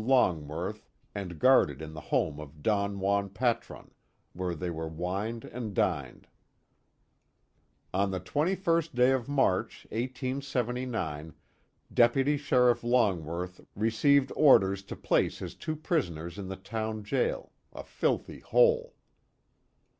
Longworth and guarded in the home of Don Juan Patron, where they were wined and dined. On the 21st day of March, 1879, Deputy Sheriff Longworth received orders to place his two prisoners in the town jail a filthy hole.